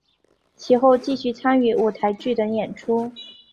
其后继续参与舞台剧等演出。